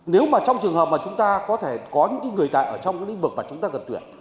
nếu mà trong trường hợp mà chúng ta có thể có những người tài ở trong những vực mà chúng ta cần tuyển